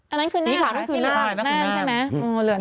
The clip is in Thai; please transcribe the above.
อันนั้นคือแน่นสีขาวนั้นคือแน่นแน่นใช่ไหม